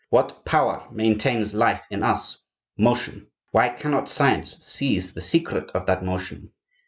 What power maintains life in us? Motion. Why cannot science seize the secret of that motion?